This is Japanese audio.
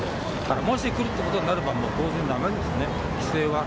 もし来るってことになれば、当然だめですね、帰省は。